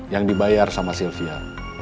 yang dibayar sama sylvia